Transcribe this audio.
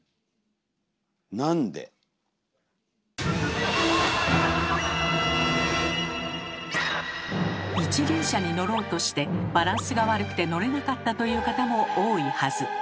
なんで⁉一輪車に乗ろうとしてバランスが悪くて乗れなかったという方も多いはず。